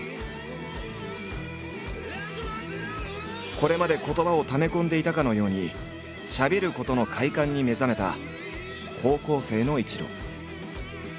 これまで言葉をため込んでいたかのようにしゃべることの快感に目覚めた高校生の伊知郎。